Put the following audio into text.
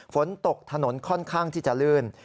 ฝนตกถนนค่อนข้างที่จะลื่น